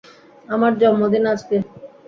আমার জন্মদিন আজকে।